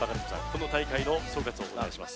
この大会の総括をお願いします